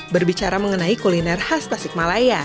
berbicara mengenai kuliner khas tasik malaya